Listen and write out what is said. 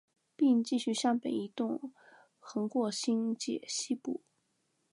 并继续向北移动横过新界西部。